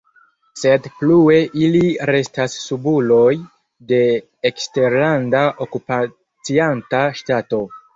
Sed plue ili restas subuloj de eksterlanda okupacianta ŝtato.